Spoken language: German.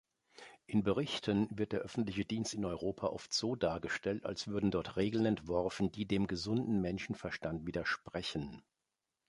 In Berichten wird der öffentliche Dienst in Europa oft so dargestellt, als würden dort Regeln entworfen, die „dem gesunden Menschenverstand widersprechen“.